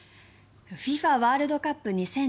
ＦＩＦＡワールドカップ２０２２。